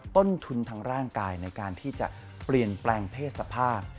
ต้นทุนทางร่างกายในการที่จะเปลี่ยนแปลงเพศสภาพ